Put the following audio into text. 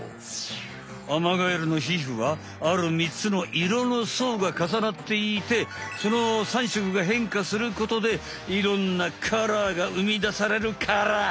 アマガエルのひふはある３つの色のそうがかさなっていてその３色がへんかすることでいろんなカラーがうみだされるカラー。